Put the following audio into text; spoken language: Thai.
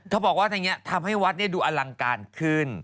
เขาบอกว่าอย่างนี้ทำให้วัดดูอลังการขึ้น